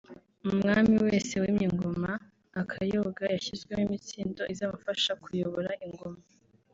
Umwami wese wimye ingoma akayoga yashyizwemo imitsindo izamufasha kuyobora ingoma